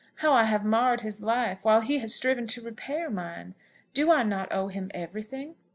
How I have marred his life, while he has striven to repair mine! Do I not owe him everything?"